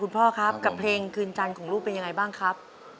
พ่อครับกับเพลงคืนจันทร์ของลูกเป็นยังไงบ้างครับ